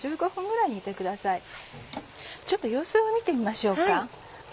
ちょっと様子を見てみましょうか。